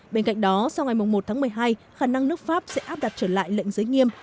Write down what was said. bên cạnh đó sau ngày một tháng một mươi hai khả năng nước pháp sẽ áp đặt trở lại lệnh giới nghiêm